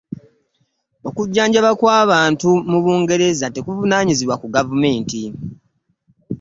Okujjajabwa kw'abantu mu bugereza tekunnayanirizibwa gavumenti.